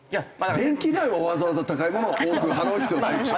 電気代はわざわざ高いものを多く払う必要ないでしょ。